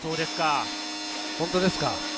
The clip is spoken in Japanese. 本当ですか？